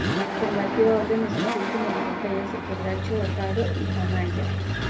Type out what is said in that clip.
Combatió a órdenes de este último en las batallas de Quebracho Herrado y Famaillá.